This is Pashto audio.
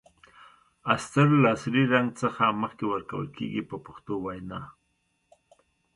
استر له اصلي رنګ څخه مخکې ورکول کیږي په پښتو وینا.